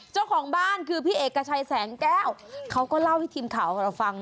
เจ้าของบ้านคือพี่เอ๋กกระชายแสงแก้วเค้าก็เล่าให้ทีมข่าวฟัง